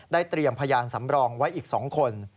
เตรียมพยานสำรองไว้อีก๒คน